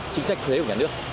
chính sách thuế của nhà nước